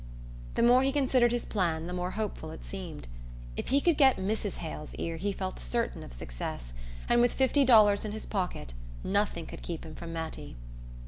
The more he considered his plan the more hopeful it seemed. If he could get Mrs. Hale's ear he felt certain of success, and with fifty dollars in his pocket nothing could keep him from Mattie...